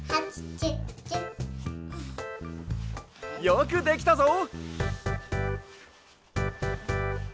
よくできたぞ。